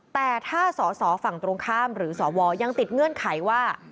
แต่ถ้าสอสอฝั่งตรงข้ามหรือสวยังติดเงื่อนไขว่า